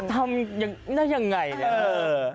ทำได้ยังไงเนี่ย